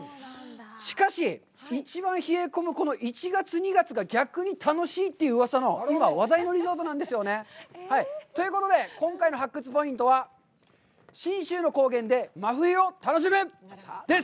しかし、一番冷え込む１月、２月が逆に楽しいといううわさの今話題のリゾートなんですよね。ということで、今回の発掘ポイントは、「信州の高原で真冬を楽しむ！」です！